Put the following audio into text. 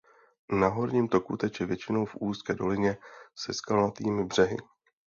Na horním toku teče většinou v úzké dolině se skalnatými břehy.